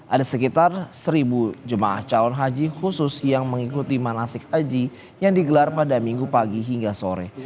ada sekitar seribu jemaah calon haji khusus yang mengikuti manasik haji yang digelar pada minggu pagi hingga sore